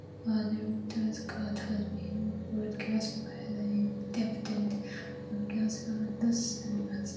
A director's cut has been broadcast by the Independent Film Channel and Cinemax.